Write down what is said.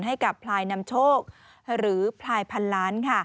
ให้กับพลายนำโชคหรือพลายพันล้าน